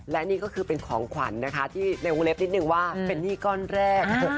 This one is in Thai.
และนี่ก็คือเป็นของขวัญนะคะที่ในวงเล็บนิดนึงว่าเป็นหนี้ก้อนแรก